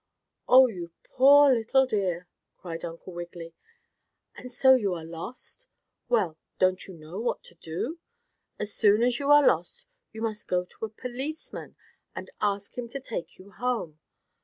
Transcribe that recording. "Oh, you poor little dear!" cried Uncle Wiggily. "And so you are lost? Well, don't you know what to do? As soon as you are lost you must go to a policeman and ask him to take you home.